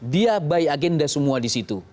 dia by agenda semua di situ